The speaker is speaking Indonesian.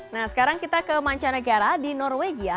nah sekarang kita ke mancanegara di norwegia